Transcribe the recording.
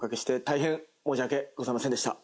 大変申し訳ございませんでした。